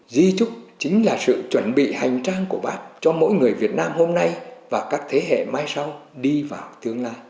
di trúc chính là sự chuẩn bị hành trang của bác cho mỗi người việt nam hôm nay và các thế hệ mai sau đi vào tương lai